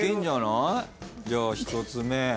じゃあ１つ目。